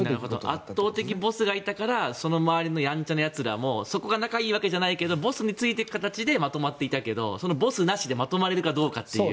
圧倒的ボスがいたからその周りの、やんちゃなやつらもそこが仲がいいわけじゃないけどボスについていく形でまとまっていたけどそのボスなしでまとまれるかという。